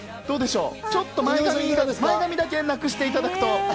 ちょっと前髪だけなくしていただくと。